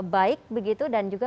baik begitu dan juga